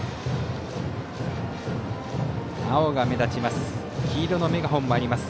青が目立ちます。